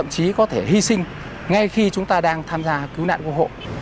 chỉ có thể hy sinh ngay khi chúng ta đang tham gia cứu nạn của hộ